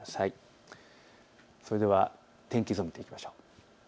それでは天気図を見ていきましょう。